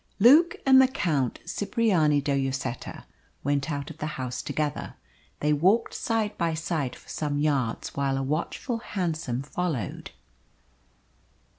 Luke and the Count Cipriani de Lloseta went out of the house together. They walked side by side for some yards while a watchful hansom followed.